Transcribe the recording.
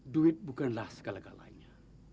duit bukanlah segala galanya